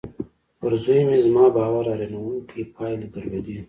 پر زوی مې زما باور حيرانوونکې پايلې درلودې.